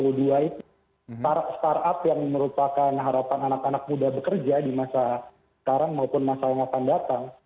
startup yang merupakan harapan anak anak muda bekerja di masa sekarang maupun masa yang akan datang